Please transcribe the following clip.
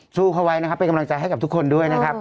สู้เขาไว้นะครับเป็นกำลังใจให้กับทุกคนด้วยนะครับ